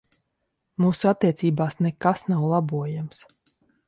Mūsu attiecībās nekas nav labojams.